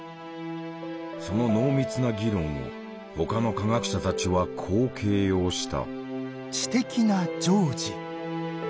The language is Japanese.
その濃密な議論を他の科学者たちはこう形容した。